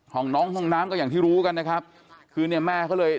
ห้องน้องห้องน้ำก็อย่างที่รู้กันนะครับคือเนี่ยแม่เขาเลย